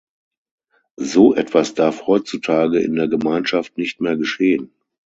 So etwas darf heutzutage in der Gemeinschaft nicht mehr geschehen.